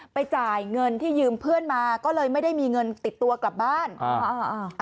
จ่ายเงินที่ยืมเพื่อนมาก็เลยไม่ได้มีเงินติดตัวกลับบ้านอ่าอ่า